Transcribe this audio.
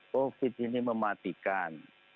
covid ini mematikan